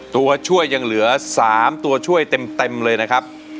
ตัวช่วยยังเหลือ๓ตัวช่วยเต็มเลยนะครับ